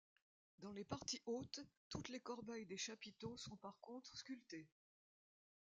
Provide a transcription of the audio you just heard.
Dans les parties hautes, toutes les corbeilles des chapiteaux sont par contre sulptés.